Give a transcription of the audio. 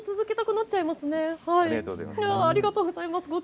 きょうはありがとうございます